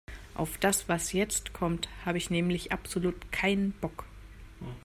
Auf das, was jetzt kommt, habe ich nämlich absolut keinen Bock.